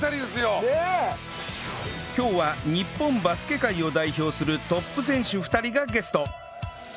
今日は日本バスケ界を代表するトップ選手２人がゲスト